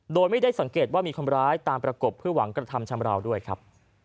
โดยไม่ได้สังเกตว่ามีคนร้ายตามประกบเพื่อหวังกระทำชำราวด้วยครับ